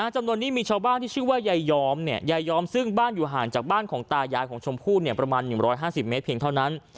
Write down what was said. จำนวนนี้มีชาวบ้านที่ชื่อว่ายายอมยายอมซึ่งบ้านอยู่ห่างจากบ้านของตายายของชมพู่ประมาณ๑๕๐เมตรเพียงเท่านั้น